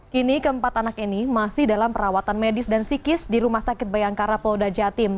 kini keempat anak ini masih dalam perawatan medis dan psikis di rumah sakit bayangkara polda jatim